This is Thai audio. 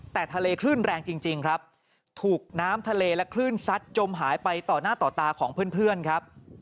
แต่ทะเลคลื่นแรงจริงครับถูกน้ำทะเลและคลื่นซัดจมหายไปต่อหน้าต่อตาของเพื่อนครับ